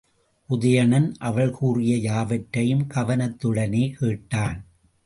உதயணன் அவள் கூறிய யாவற்றையும் கவனத்துடனே கேட்டான்.